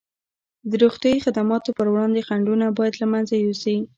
د روغتیايي خدماتو پر وړاندې خنډونه باید له منځه یوسي.